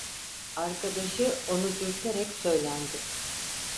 Arkadaşı onu dürterek söylendi: